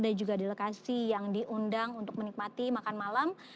dan juga delegasi yang diundang untuk menikmati makan malam